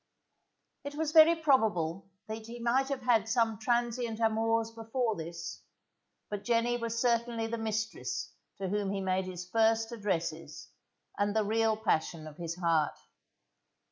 It is very probable that he might have had some transient amours before this, but Jenny was certainly the mistress to whom he made his first addresses, and the real passion of his heart.